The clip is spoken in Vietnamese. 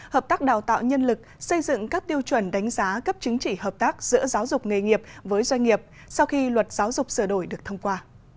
hợp tác đào tạo nhân lực xây dựng các tiêu chuẩn đánh giá cấp chứng chỉ hợp tác giữa giáo dục nghề nghiệp với doanh nghiệp sau khi luật giáo dục sửa đổi được thông qua